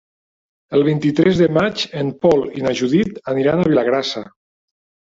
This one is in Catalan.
El vint-i-tres de maig en Pol i na Judit aniran a Vilagrassa.